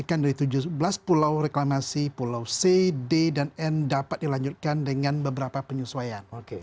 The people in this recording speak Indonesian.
memastikan dari tujuh belas pulau reklamasi pulau c d dan n dapat dilanjutkan dengan beberapa penyesuaian